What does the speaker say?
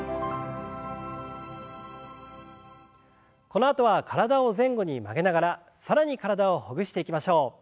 このあとは体を前後に曲げながら更に体をほぐしていきましょう。